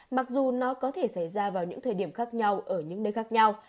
mặc dù nó có thể xảy ra vào những thời điểm khác nhau ở những nơi khác nhau